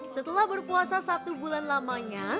setelah berpuasa satu bulan lamanya